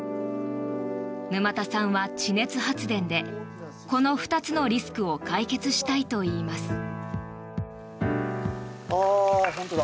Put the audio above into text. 沼田さんは地熱発電でこの２つのリスクを解決したいといいます。